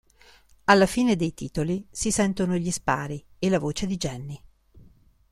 Alla fine dei titoli si sentono gli spari e la voce di Jeanne.